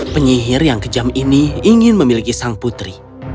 penyihir yang kejam ini ingin memiliki sang putri